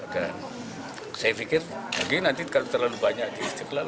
dan saya pikir lagi nanti kalau terlalu banyak diistiklal